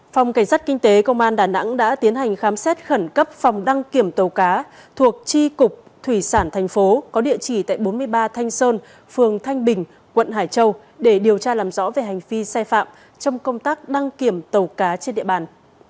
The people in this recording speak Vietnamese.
phòng cảnh sát kinh tế công an đà nẵng đã tiến hành khám xét khẩn cấp phòng đăng kiểm tàu cá thuộc tri cục thủy sản thành phố có địa chỉ tại bốn mươi ba thanh sơn phường thanh bình quận hải châu để điều tra làm rõ về hành vi sai phạm trong công tác đăng kiểm tàu cá trên địa bàn